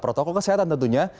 protokol kesehatan tentunya